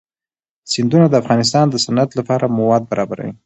سیندونه د افغانستان د صنعت لپاره مواد برابروي.